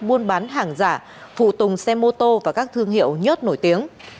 buôn bán hàng giả phụ tùng xe mô tô và các thương hiệu nhớt nổi tiếng